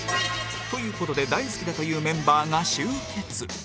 という事で大好きだというメンバーが集結